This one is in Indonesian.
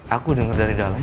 aku denger dari dalam